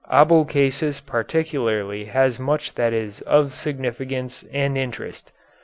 Abulcasis particularly has much that is of significance and interest.